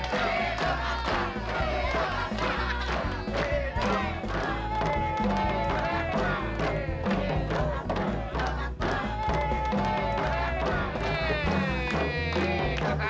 sampai jumpa di video selanjutnya